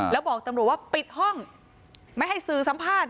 แล้วบอกตำรวจว่าปิดห้องไม่ให้สื่อสัมภาษณ์